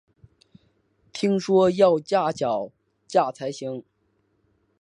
听说要架脚架才行